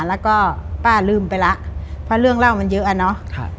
แล้วก็ป้าลืมไปแล้วเพราะเรื่องเล่ามันเยอะอะเนาะ